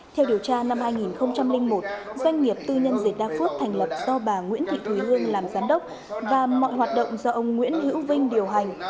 theo điều tra năm hai nghìn một doanh nghiệp tư nhân dịch đa phước thành lập do bà nguyễn thị thùy hương làm giám đốc và mọi hoạt động do ông nguyễn hữu vinh điều hành